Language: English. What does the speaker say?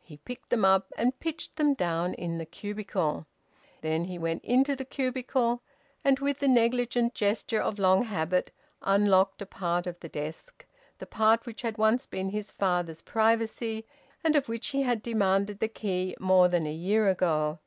He picked them up and pitched them down in the cubicle. Then he went into the cubicle, and with the negligent gesture of long habit unlocked a part of the desk, the part which had once been his father's privacy, and of which he had demanded the key more than a year ago.